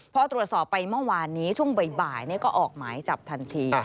พอตรวจสอบไปเมื่อวานนี้ช่วงบ่ายก็ออกหมายจับทันที